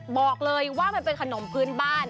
บอกเลยว่ามันเป็นขนมพื้นบ้าน